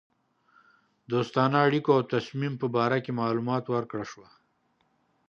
دوستانه اړېکو او تصمیم په باره کې معلومات ورکړه شوه.